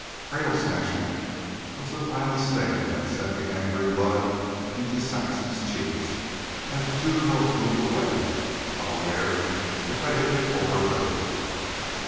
"Cradle snatcher," was the final sting that sent the angry blood into Saxon's cheeks as the two girls moved away, unaware that they had been overheard.